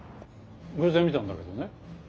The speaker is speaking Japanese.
偶然見たんだけどね。